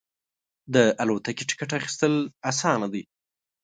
د الوتکې ټکټ اخیستل اسانه دی.